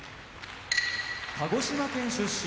鹿児島県出身